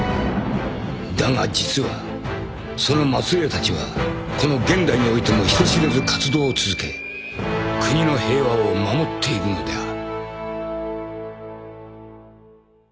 ［だが実はその末裔たちはこの現代においても人知れず活動を続け国の平和を守っているのである］